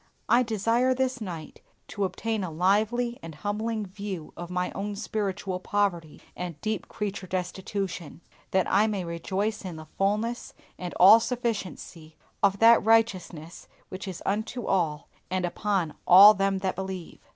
I desire this night to obtain a lively and humbling view of my own spiritual poverty and deep creature destitution, that I may rejoice in the fullness and all sufficiency of that righteousness which is unto all and upon all them that believe.